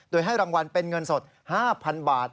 โดยให้รางวัลเป็นเงินสด๕๐๐๐บาท